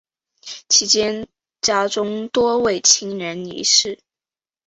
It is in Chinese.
期间家中多位亲人离世。